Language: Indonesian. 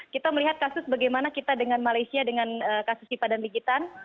kita melihat kasus bagaimana kita dengan malaysia dengan kasus hipadan gigitan